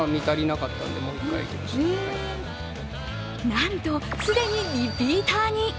なんと、既にリピーターに。